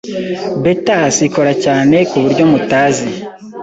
Betas ikora cyane kuburyo mutazi